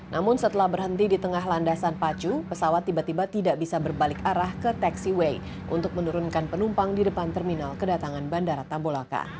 namun setelah berhenti di tengah landasan pacu pesawat tiba tiba tidak bisa berbalik arah ke taxiway untuk menurunkan penumpang di depan terminal kedatangan bandara tambolaka